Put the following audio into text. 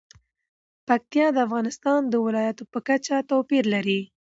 پکتیا د افغانستان د ولایاتو په کچه توپیر لري.